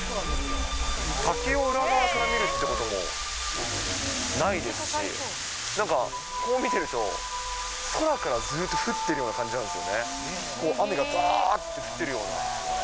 滝を裏側から見るってこともないですし、なんか、こう見てると、空からずっと降ってるような感じなんですよね、雨がざーっと降ってるような。